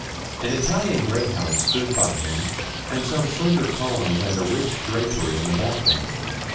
An Italian greyhound stood by him, and some slender columns and a rich drapery in the background.